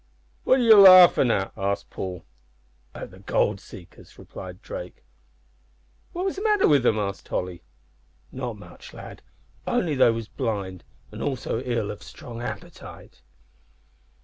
"What are ye larfin' at?" asked Paul. "At the gold seekers," replied Drake. "What was the matter wi' 'em," asked Tolly. "Not much, lad, only they was blind, and also ill of a strong appetite."